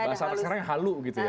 bahasa maksudnya halus gitu ya